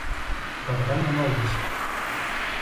Ο καπετάν-Μανόλης